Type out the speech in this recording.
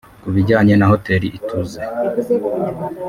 Ku bijyanye na Hotel Ituze